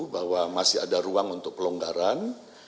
bahwa masih ada ruang untuk pelonggaran